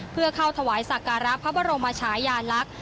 เพื่อเข้าถวายศักรรณ์พระบรมมาฉายาลักษณ์